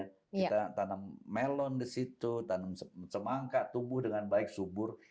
kita tanam melon di situ tanam semangka tumbuh dengan baik subur